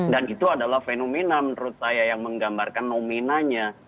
dan itu adalah fenomena menurut saya yang menggambarkan nominanya